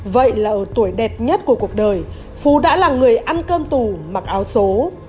vậy là ở tuổi đẹp nhất của cuộc đời phú đã là người ăn cơm tù mặc áo số